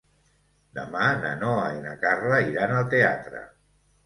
Demà na Noa i na Carla iran al teatre.